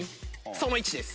その位置です。